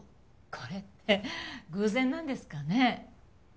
これって偶然なんですかね？